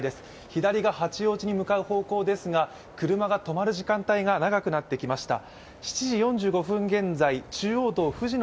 左が八王子に向かう方向ですが、車が止まる時間帯が長くなってきました。